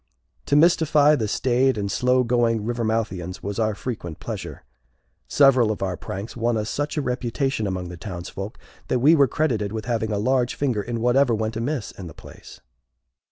To mystify the staid and slow going Rivermouthians was our frequent pleasure. Several of our pranks won us such a reputation among the townsfolk, that we were credited with having a large finger in whatever went amiss in the place.